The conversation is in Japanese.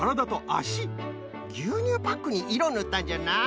ぎゅうにゅうパックにいろをぬったんじゃな。